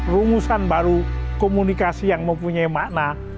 rumusan baru komunikasi yang mempunyai makna